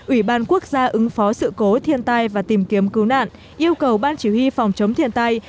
ủy ban quốc gia ứng phó sự cố thiên tai và tìm kiếm cứu nạn yêu cầu ban chỉ huy phòng chống thiên tai